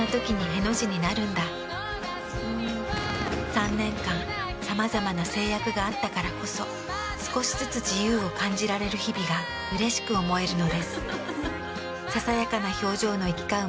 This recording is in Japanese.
３年間さまざまな制約があったからこそ少しずつ自由を感じられる日々がうれしく思えるのです。